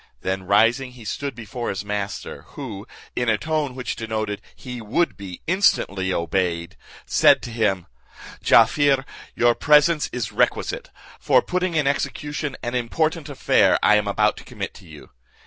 Then rising, he stood before his master, who, in a tone which denoted he would be instantly obeyed, said to him, "Jaaffier, your presence is requisite, for putting in execution an important affair I am about to commit to you.